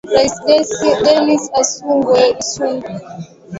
rais dennis asungwe sun na nate odoro obiang gwema